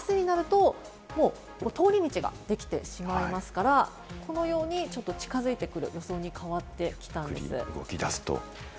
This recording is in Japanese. あすになるともう通り道ができてしまいますから、このように、ちょっと近づいてくる路線に変わってきたんです。